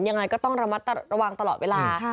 ยังไงก็ต้องระมัดระวังตลอดเวลา